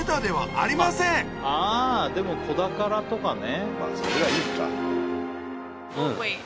ああでも子宝とかね。